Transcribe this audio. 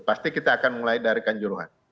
pasti kita akan mulai dari kanjuruhan